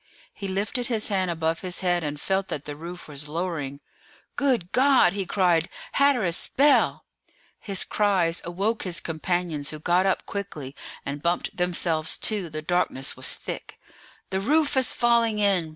He lifted his hand above his head, and felt that the roof was lowering. "Good God!" he cried; "Hatteras! Bell!" His cries awoke his companions, who got up quickly, and bumped themselves too; the darkness was thick. "The roof is falling in!"